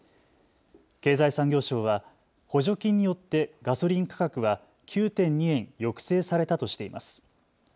経済産業省は補助金によってガソリン価格は９．２円抑制されたとしています。